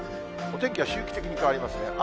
お天気は周期的に変わりますね。